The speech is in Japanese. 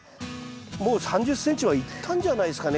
もう３０ｃｍはいったんじゃないですかね。